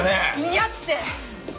嫌って！